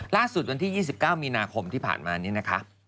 ล่าสุดวันที่๒๙มีนาคมที่ผ่านมานี้นะคะ